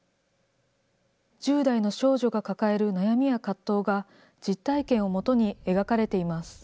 １０代の少女が抱える悩みや葛藤が、実体験をもとに描かれています。